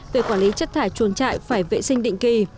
tuyển quản lý chất thải chuồng trại phải vệ sinh định kỳ